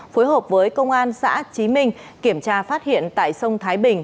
phối hợp với công an xã trí minh kiểm tra phát hiện tại sông thái bình